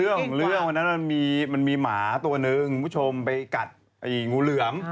คือเรื่องวันนั้นมันมีมันมีหมาตัวหนึ่งพี่ผู้ชมไปกัดหีอิงหูเหลือม